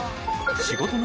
仕事の。